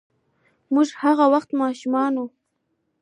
موږ هغه وخت ماشومان وو.